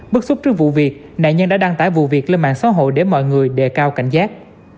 bức xúc trước vụ việc nạn nhân đã đăng tải vụ việc lên mạng xã hội để mọi người đề cao cảnh giác